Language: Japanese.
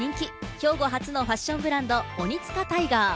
兵庫発のファッションブランド・オニツカタイガー。